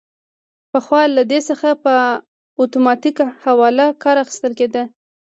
پخوا له دې څخه په اتوماتیک حواله کار اخیستل کیده.